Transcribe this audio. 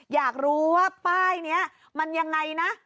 อยากรู้ว่าป้ายนี้มันยังไงนะ